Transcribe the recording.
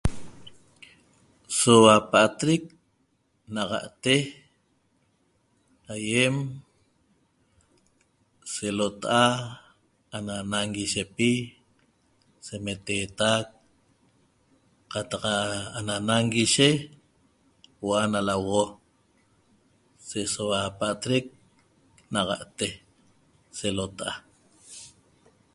Sohua patric naxate aiem se lotaa' ana nañiguishepi se metetaq catac ana na nañiguishe huoo na lahuoxo se soba patric naxate se lotaa'